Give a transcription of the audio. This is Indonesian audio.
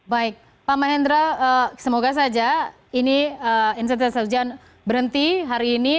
baik pak mahendra semoga saja ini insentif sarjan berhenti hari ini